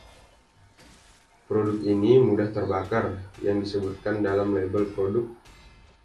Produk ini mudah terbakar, yang disebutkan dalam label produk.